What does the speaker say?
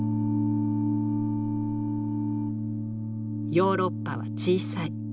「ヨーロッパは小さい。